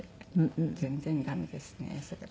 全然ダメですねそれは。